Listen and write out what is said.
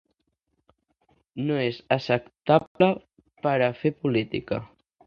No és acceptable per a fer política.